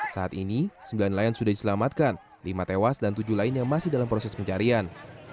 saat ini sembilan nelayan sudah diselamatkan lima tewas dan tujuh lainnya masih dalam proses pencarian